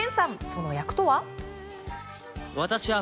その役とは。